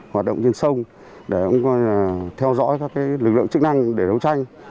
hoạt động trên sông để theo dõi các lực lượng chức năng để đấu tranh